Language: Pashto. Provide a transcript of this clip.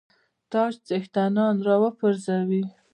تاج څښتنان را وپرزوي.